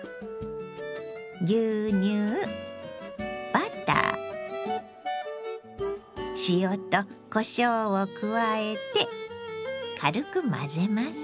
牛乳バター塩とこしょうを加えて軽く混ぜます。